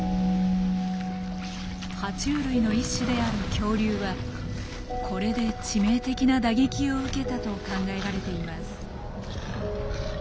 は虫類の一種である恐竜はこれで致命的な打撃を受けたと考えられています。